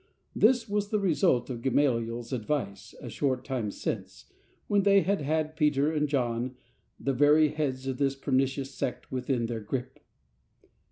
This was the result of Gamaliel's advice a short time since, when they had had Peter and John, the very heads of this per nicious sect, within their grip.